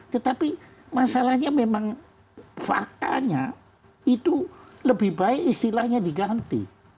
tetapi masalahnya memang faktanya itu lebih baik istilahnya diganti